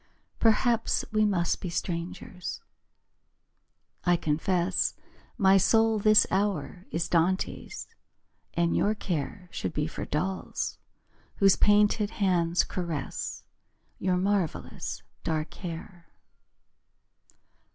Perhaps we must be strangers. I confess My soul this hour is Dante's, And your care Should be for dolls Whose painted hands caress Your marvellous dark hair.